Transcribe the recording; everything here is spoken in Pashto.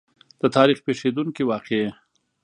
د تاریخ پېښېدونکې واقعې.